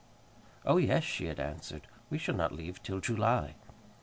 "Oh, yes," she had answered, "we shall not leave till July."